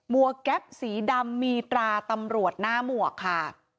๑มัวแก๊ปสีดำมีตราตำรวจหน้ามัวค่ะ